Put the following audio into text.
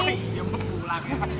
oh iya belum pulang ya